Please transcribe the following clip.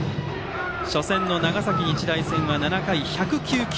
初戦の長崎日大戦は７回１０９球。